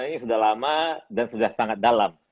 karena ini sudah lama dan sudah sangat dalam